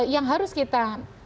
yang harus kita